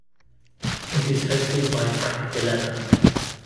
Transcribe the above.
It is hosted by Frank DiLella.